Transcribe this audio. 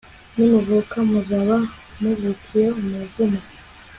nimuvuka, muzaba muvukiye umuvumo